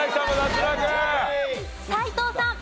斎藤さん。